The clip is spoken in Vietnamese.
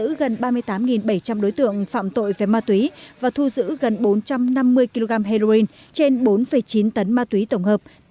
bộ công an thu giữ gần ba mươi tám bảy trăm linh đối tượng phạm tội về ma túy và thu giữ gần bốn trăm năm mươi kg heroin trên bốn chín tấn ma túy tổng hợp